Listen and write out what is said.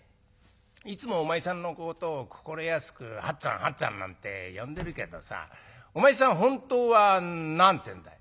いつもお前さんのことを心やすく『八つぁん八つぁん』なんて呼んでるけどさお前さん本当は何ていうんだい？」。